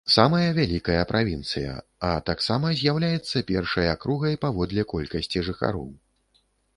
Самая вялікая правінцыя, а таксама з'яўляецца першай акругай паводле колькасці жыхароў.